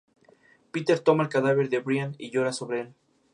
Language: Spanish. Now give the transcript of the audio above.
Peter toma el cadáver de Brian y llora sobre el.